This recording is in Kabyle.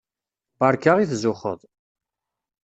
Beṛka i tzuxxeḍ.